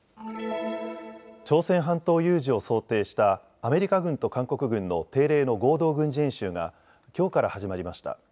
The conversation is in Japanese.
朝鮮半島有事を想定したアメリカ軍と韓国軍の定例の合同軍事演習がきょうから始まりました。